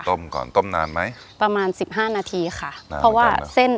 ก่อนต้มนานไหมประมาณสิบห้านาทีค่ะเพราะว่าเส้น